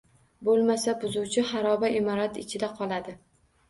Bo‘lmasa, buzuvchi xaroba imorat ichida qoladi.